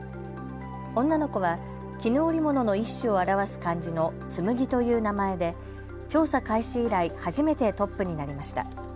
女の子は絹織物の一種を表す漢字の紬という名前で調査開始以来、初めてトップになりました。